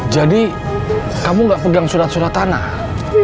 jadi kamu gak pegang surat surat tanah